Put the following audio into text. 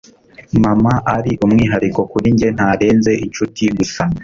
mama ari umwihariko kuri njye, ntarenze inshuti gusa